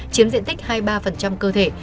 chiếm diện tích hai mươi ba cơ thể